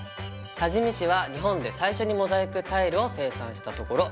多治見市は日本で最初にモザイクタイルを生産したところ。